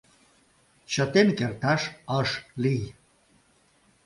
Чытен керташ ыш лий...